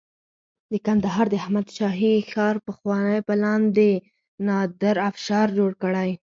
د کندهار د احمد شاهي ښار پخوانی پلان د نادر افشار جوړ کړی